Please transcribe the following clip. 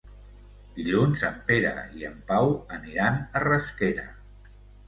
Dilluns en Pere i en Pau aniran a Rasquera.